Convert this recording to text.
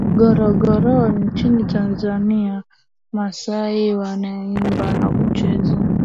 Ngorongoro nchini Tanzania Maasai wanaimba na kucheza